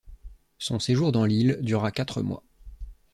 Son séjour dans l'île dura quatre mois.